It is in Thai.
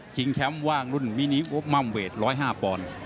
ชิงแชมป์ว่างรุ่นมินีโว๊คม่ำเวท๑๐๕ปอนด์